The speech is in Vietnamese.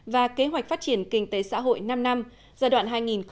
và kế hoạch phát triển kinh tế xã hội năm năm giai đoạn hai nghìn một mươi sáu hai nghìn hai mươi